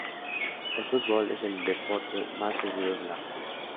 El fútbol es el deporte más seguido de la región.